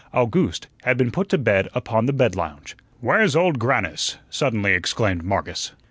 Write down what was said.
Owgooste had been put to bed upon the bed lounge. "Where's Old Grannis?" suddenly exclaimed Marcus.